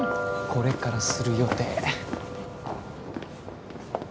これからする予定。